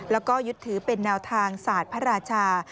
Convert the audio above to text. แล้วก็ยึดถือเป็นแนวทางศาสตร์พระราชา